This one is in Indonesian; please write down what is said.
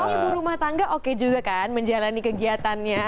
ibu rumah tangga oke juga kan menjalani kegiatannya